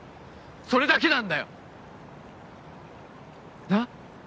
それだけなんだよ。なぁ？